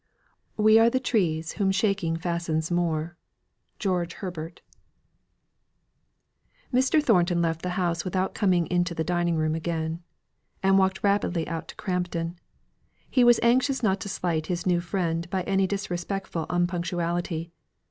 "We are the trees whom shaking fastens more." GEORGE HERBERT. Mr. Thornton left the house without coming into the dining room again. He was rather late, and walked rapidly out to Crampton. He was anxious not to slight his new friend by any disrespectful unpunctuality.